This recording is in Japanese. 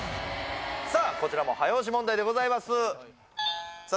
さあこちらも早押し問題でございますさあ